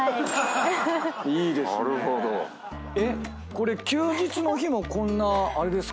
これ休日の日もこんなあれですか？